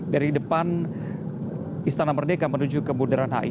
dari depan istana merdeka menuju ke bundaran hi